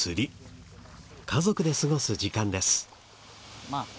家族で過ごす時間です。